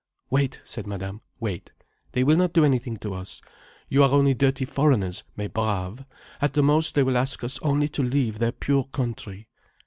"Wait," said Madame. "Wait. They will not do anything to us. You are only dirty foreigners, mes braves. At the most they will ask us only to leave their pure country."